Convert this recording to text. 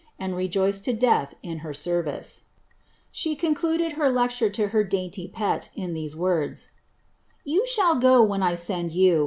and rejoiced lo die in her service ! She concluded her lecture to her dainty pet, in these words r —" Tou shall go when I send you.